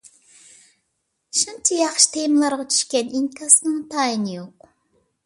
شۇنچە ياخشى تېمىلارغا چۈشكەن ئىنكاسنىڭ تايىنى يوق.